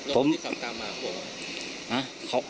แล้วมดมอสไซค์ตามมาห่วงไหม